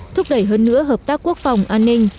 thúc đẩy hơn nữa hợp tác quốc phòng an ninh